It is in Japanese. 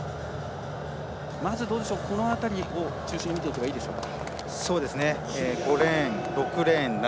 この辺りを中心に見ていけばいいでしょうか。